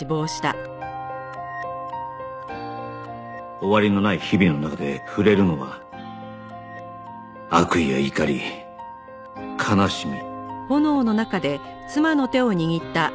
終わりのない日々の中で触れるのは悪意や怒り悲しみ